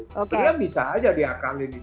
sebenarnya bisa aja diakalin itu